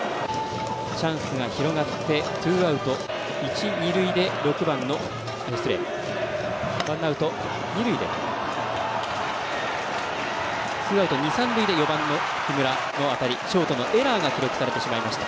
チャンスが広がってツーアウト、二塁、三塁で木村の当たりショートのエラーが記録されてしまいました。